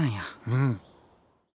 うん。